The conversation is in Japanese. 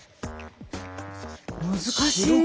難しい。